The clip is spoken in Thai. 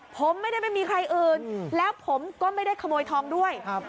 ผมไม่ได้ไม่มีใครอื่นแล้วผมก็ไม่ได้ขโมยทองด้วย